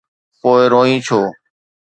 پوءِ روئين ڇو؟